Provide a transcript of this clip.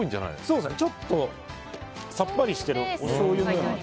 ちょっとさっぱりしてるおしょうゆのような味。